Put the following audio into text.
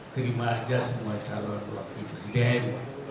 terima aja semua calon wakil presiden